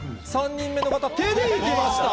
３人目の方、手でいきました。